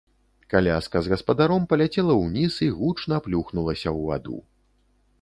Каляска з гаспадаром паляцела ўніз і гучна плюхнулася ў ваду.